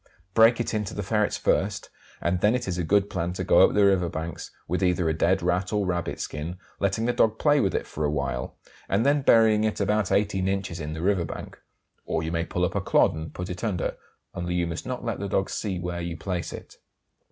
Break it in to the ferrets first, and then it is a good plan to go up the river banks, with either a dead Rat or rabbit skin, letting the dog play with it for a while, and then burying it about 18 inches in the river bank; or you may pull up a clod and put it under, only you must not let the dog see where you place it.